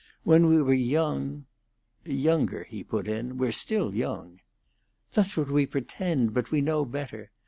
When we were young " "Younger," he put in. "We're still young." "That's what we pretend, but we know better.